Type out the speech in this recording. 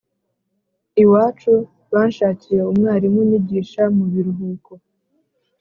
iwacu banshakiye umwarimu unyigisha mu biruhuko.